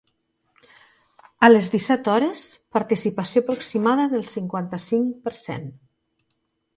A les disset h participació aproximada del cinquanta-cinc per cent.